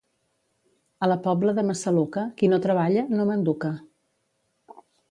A la Pobla de Massaluca, qui no treballa, no manduca.